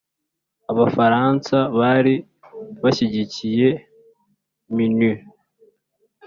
abafaransa bari bashyigikiye minuar